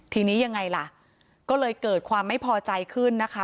ทีนี้ยังไงล่ะก็เลยเกิดความไม่พอใจขึ้นนะคะ